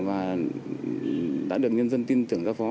và đã được nhân dân tin tưởng ra phó